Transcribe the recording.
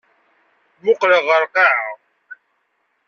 Mmuqqleɣ ɣer lqaɛa.